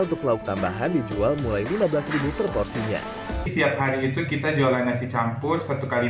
untuk lauk tambahan dijual mulai lima belas per porsinya setiap hari itu kita jualan nasi campur satu kali